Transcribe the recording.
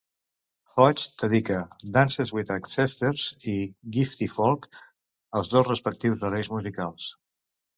Hodge dedica "Dances with ancestres" i "Gritty Folk" als dos respectius herois musicals.